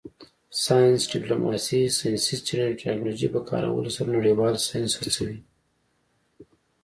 ساینس ډیپلوماسي د ساینسي څیړنې او ټیکنالوژۍ په کارولو سره نړیوال ساینس هڅوي